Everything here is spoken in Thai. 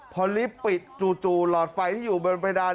พอลิฟต์ปิดจู่หลอดไฟที่อยู่บนเพดาน